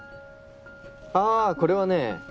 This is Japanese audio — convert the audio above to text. あこれはね。